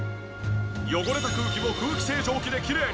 汚れた空気を空気清浄機できれいに。